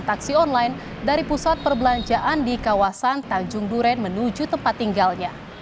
taksi online dari pusat perbelanjaan di kawasan tanjung duren menuju tempat tinggalnya